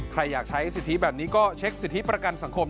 ใครอยากใช้สิทธิแบบนี้ก็เช็คสิทธิประกันสังคม